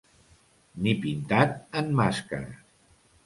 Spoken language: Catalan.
Ni pintat en màscara.